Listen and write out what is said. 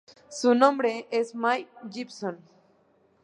Su nombre es Mike Gibson.